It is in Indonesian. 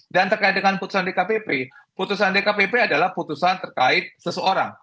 dan terkait dengan putusan dkpp putusan dkpp adalah putusan terkait seseorang